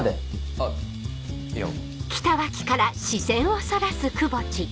あっいや。